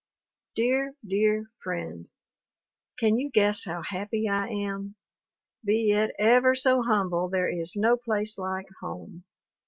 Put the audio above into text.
DEAR, DEAR FRIEND, Can you guess how happy I am? Be it ever so humble there is no place like home.